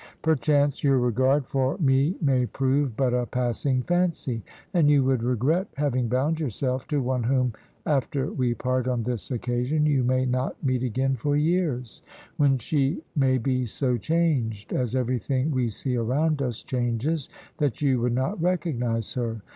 Perchance your regard for me may prove but a passing fancy, and you would regret having bound yourself to one whom, after we part on this occasion, you may not meet again for years, when she may be so changed, as everything we see around us changes, that you would not recognise her.